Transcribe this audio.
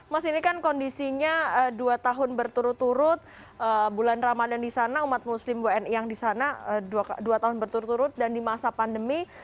mas ini kan kondisinya dua tahun berturut turut bulan ramadan di sana umat muslim wni yang di sana dua tahun berturut turut dan di masa pandemi